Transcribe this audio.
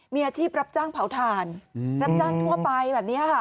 มีอาชีพรับจ้างเผาถ่านรับจ้างทั่วไปแบบนี้ค่ะ